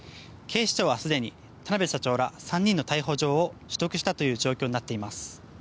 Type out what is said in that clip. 警視庁はすでに田邊社長ら３人の逮捕状を取得したという状況になっています。